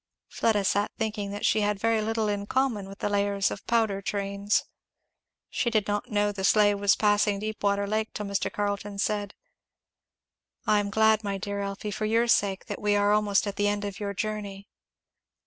Fleda sat thinking that she had very little in common with the layers of powder trains. She did not know the sleigh was passing Deepwater Lake, till Mr. Carleton said, "I am glad, my dear Elfie, for your sake, that we are almost at the end of your journey."